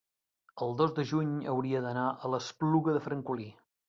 el dos de juny hauria d'anar a l'Espluga de Francolí.